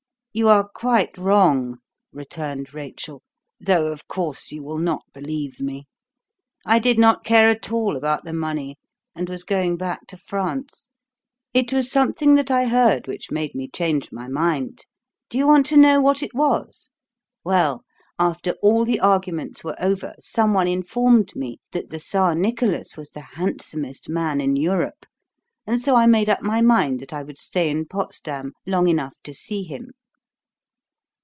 "You are quite wrong," returned Rachel, "though of course you will not believe me. I did not care at all about the money and was going back to France. It was something that I heard which made me change my mind. Do you want to know what it was? Well, after all the arguments were over some one informed me that the Czar Nicholas was the handsomest man in Europe; and so I made up my mind that I would stay in Potsdam long enough to see him."